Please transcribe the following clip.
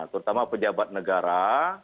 terutama pejabat negara